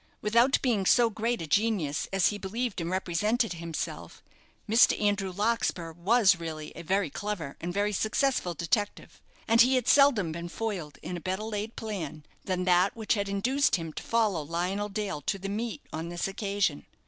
Without being so great a genius, as he believed and represented himself, Mr. Andrew Larkspur was really a very clever and a very successful detective, and he had seldom been foiled in a better laid plan than that which had induced him to follow Lionel Dale to the meet on this occasion.